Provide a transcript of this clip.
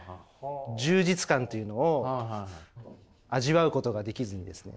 充実感というのを味わうことができずにですね